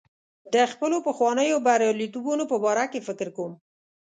د خپلو پخوانیو بریالیتوبونو په باره کې فکر کوم.